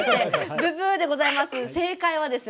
ブブッ！でございます。